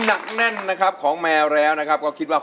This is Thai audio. ทั้งในเรื่องของการทำงานเคยทำนานแล้วเกิดปัญหาน้อย